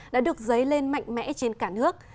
đã được dấy lên mạnh mẽ trên cả nước